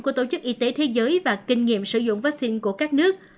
của tổ chức y tế thế giới và kinh nghiệm sử dụng vaccine của các nước